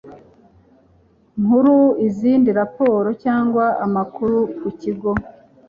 Nkuru izindi raporo cyangwa amakuru ku kigo